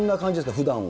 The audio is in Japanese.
ふだんは。